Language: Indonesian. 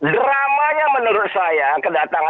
dramanya menurut saya kedatangan